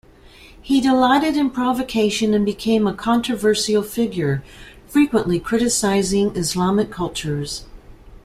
He delighted in provocation and became a controversial figure, frequently criticizing Islamic cultures.